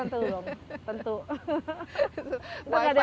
tentu dong tentu